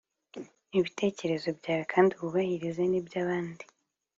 ibitekerezo byawe kandi wubahiriza n’iby’abandi